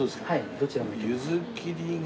どちらが。